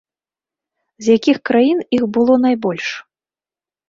З якіх краін іх было найбольш?